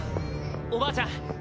おばあちゃん！